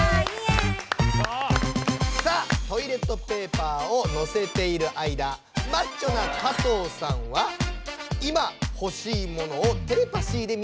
さあトイレットペーパーをのせている間マッチョな加藤さんは今ほしいものをテレパシーでみなさんに送っていました。